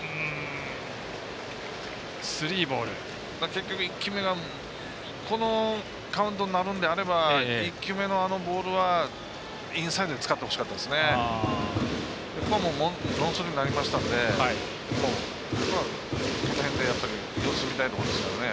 結局、１球目がこのカウントになるのであれば１球目のあのボールはインサイドに使ってほしかったですね。